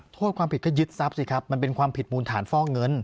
โทษความผิดก็ยึดทรัพย์สิครับมันเป็นความผิดมูลฐานฟอกเงิน